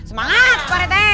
semangat pak ranti